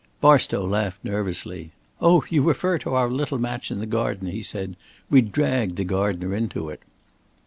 Barstow laughed nervously. "Oh, you refer to our little match in the garden," he said. "We dragged the gardener into it."